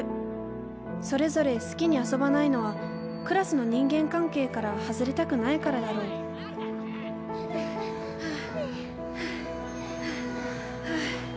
それぞれ好きに遊ばないのはクラスの人間関係から外れたくないからだろうはあはあはあはあはあはあ。